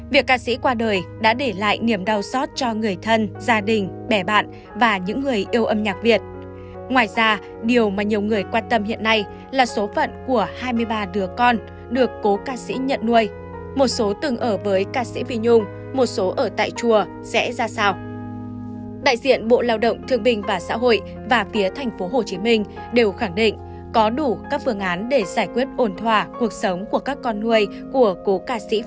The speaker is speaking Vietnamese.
việc ca sĩ qua đời đã để lại niềm đau xót cho người thân gia đình bè bạn và những người